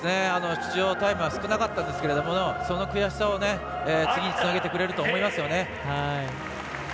出場タイムは少なかったんですけどその悔しさを次につなげてくれると思います。